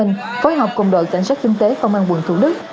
phối hợp cùng đội cảnh sát kinh tế công an tp hcm